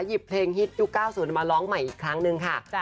หยิบเพลงฮิตยุค๙๐มาร้องใหม่อีกครั้งนึงค่ะ